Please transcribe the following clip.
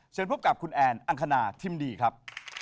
พบกับคุณแอนอังคณาทิมดีครับ